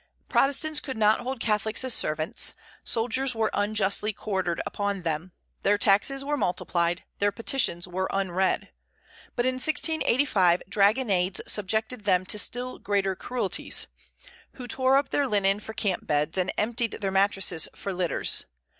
Protestants could not hold Catholics as servants; soldiers were unjustly quartered upon them; their taxes were multiplied, their petitions were unread. But in 1685 dragonnades subjected them to still greater cruelties; who tore up their linen for camp beds, and emptied their mattresses for litters.